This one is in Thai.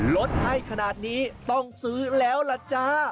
ลดให้ขนาดนี้ต้องซื้อแล้วล่ะจ้า